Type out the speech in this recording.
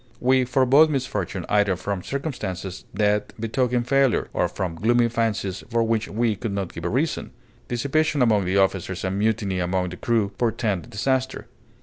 We forebode misfortune either from circumstances that betoken failure, or from gloomy fancies for which we could not give a reason. Dissipation among the officers and mutiny among the crew portend disaster.